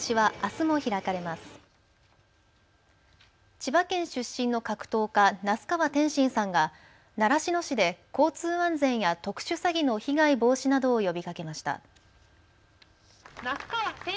千葉県出身の格闘家、那須川天心さんが習志野市で交通安全や特殊詐欺の被害防止などを呼びかけました。